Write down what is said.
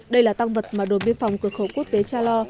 đây là tăng vật mà đồn biên phòng cửa khẩu quốc tế cha lo